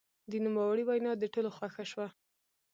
د نوموړي وینا د ټولو خوښه شوه.